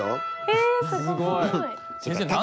えすごい。